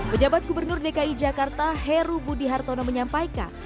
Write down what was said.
pejabat gubernur dki jakarta heru budi hartono menyampaikan